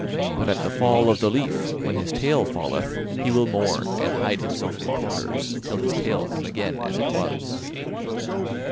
But at the fall of the leaf, when his tail falleth, he will mourn and hide himself in corners, till his tail come again as it was."